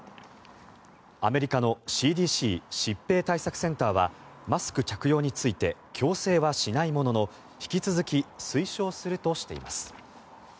アメリカのＣＤＣ・疾病対策センターはマスク着用について強制はしないものの引き続き推奨するとしています。